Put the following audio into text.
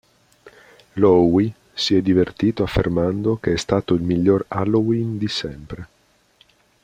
Louie si è divertito affermando che è stato il miglior Halloween di sempre.